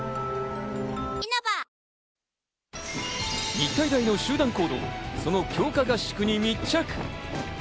日体大の集団行動、その強化合宿に密着。